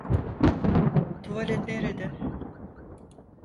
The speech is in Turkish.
Tuvalet nerede?